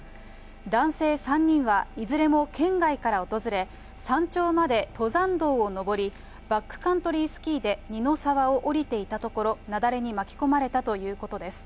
男性３人はいずれも県外から訪れ、山頂まで登山道を登り、バックカントリースキーで二の沢を下りていたところ、雪崩に巻き込まれたということです。